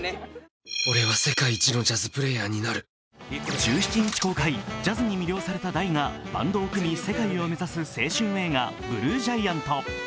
１７日公開、ジャズに魅了された大がバンドを組み、世界を目指す青春映画「ＢＬＵＥＧＩＡＮＴ」。